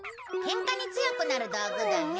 ケンカに強くなる道具だね。